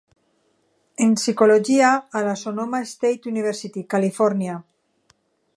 en Psicologia a la Sonoma State University, Califòrnia.